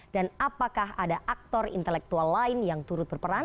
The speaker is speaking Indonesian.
dan apakah ada aktor intelektual lain yang turut berperang